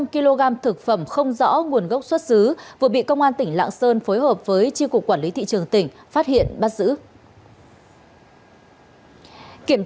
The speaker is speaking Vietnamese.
hai năm trăm linh kg thực phẩm không rõ nguồn gốc xuất xứ vừa bị công an tỉnh lạng sơn phối hợp với chi cục quản lý thị trường tỉnh phát hiện bắt giữ